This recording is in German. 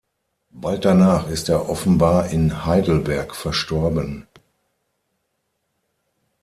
Bald danach ist er offenbar in Heidelberg verstorben.